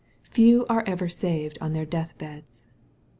Few are ever saved on their death beds.